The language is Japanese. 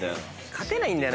勝てないんだよ